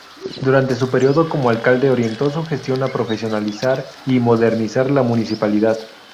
Durante su período como alcalde orientó su gestión a profesionalizar y modernizar la municipalidad.